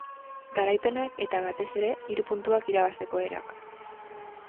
Garaipenak eta, batez ere, hiru puntuak irabazteko erak.